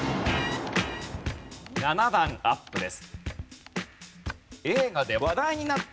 ７段アップです。